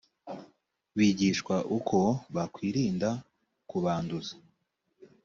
bigishwa uko bakwirinda kubanduza